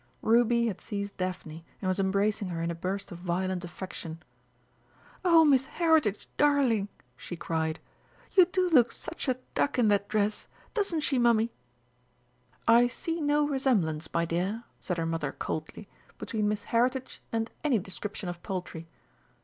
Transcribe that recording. Ruby had seized Daphne and was embracing her in a burst of violent affection. "Oh, Miss Heritage, darling," she cried, "you do look such a duck in that dress doesn't she, Mummy?" "I see no resemblance, my dear," said her mother coldly, "between Miss Heritage and any description of poultry.